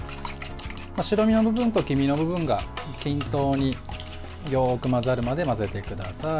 白身の部分と黄身の部分が均等によく混ざるまで混ぜてください。